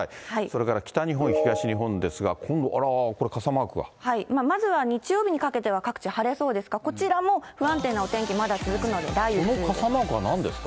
それから北日本、東日本ですが、まずは日曜日にかけては、各地晴れそうですが、こちらも不安定なお天気、まだ続くので、雷雨に注意です。